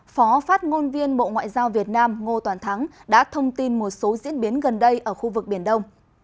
phó phát ngôn viên bộ ngoại giao việt nam ngô toàn thắng đã thông tin một số diễn biến gần đây ở khu vực biển đông